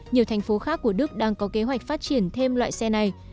nhiều thành phố khác của đức đang có kế hoạch phát triển thêm loại xe này